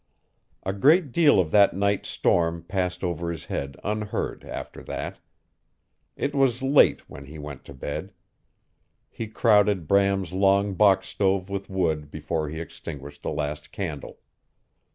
A great deal of that night's storm passed over his head unheard after that. It was late when he went to bed. He crowded Bram's long box stove with wood before he extinguished the last candle.